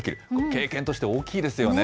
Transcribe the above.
経験として大きいですよね。